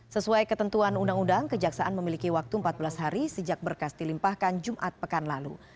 sesuai ketentuan undang undang kejaksaan memiliki waktu empat belas hari sejak berkas dilimpahkan jumat pekan lalu